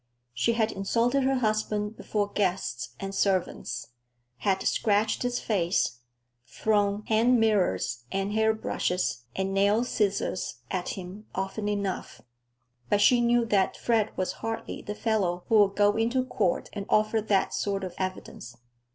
She had insulted her husband before guests and servants, had scratched his face, thrown hand mirrors and hairbrushes and nail scissors at him often enough, but she knew that Fred was hardly the fellow who would go into court and offer that sort of evidence.